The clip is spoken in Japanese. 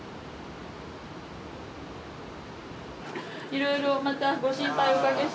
いろいろまたご心配おかけして。